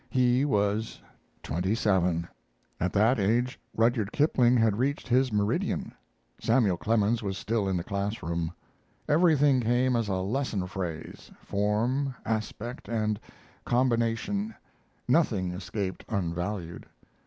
He was twenty seven. At that age Rudyard Kipling had reached his meridian. Samuel Clemens was still in the classroom. Everything came as a lesson phrase, form, aspect, and combination; nothing escaped unvalued.